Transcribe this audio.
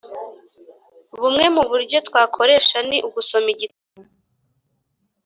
Bumwe mu buryo twakoresha ni ugusoma Igitabo